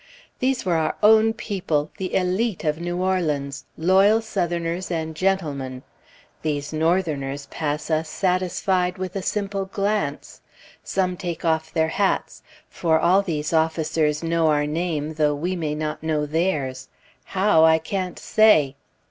These were our own people, the élite of New Orleans, loyal Southerners and gentlemen. These Northerners pass us satisfied with a simple glance; some take off their hats, for all these officers know our name, though we may not know theirs; how, I can't say.